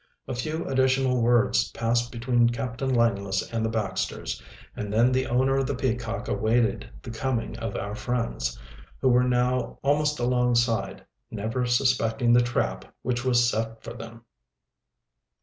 A few additional words passed between Captain Langless and the Baxters, and then the owner of the Peacock awaited the coming of our friends, who were now almost alongside, never suspecting the trap which was set for them.